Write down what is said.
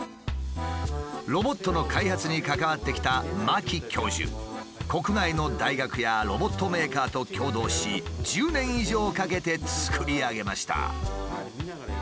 ロボットの開発に関わってきた国内の大学やロボットメーカーと共同し１０年以上かけて作り上げました。